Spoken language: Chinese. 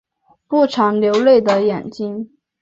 不常流泪的眼睛